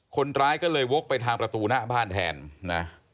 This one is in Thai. คนร้ายก็เลยวกไปทางประตูหน้าบ้านแทนนะ